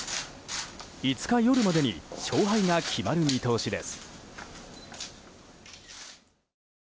５日夜までに勝敗が決まる見通しです。